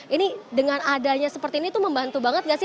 jadi dengan adanya seperti ini tuh membantu banget gak sih